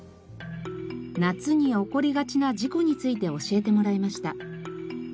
夏に起こりがちな事故について教えてもらいました。